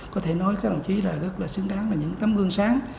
có thể nói các đồng chí là rất là xứng đáng là những tấm gương sáng